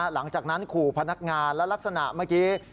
หลังจากนั้นขู่พนักงานและลักษณะเมื่อกี้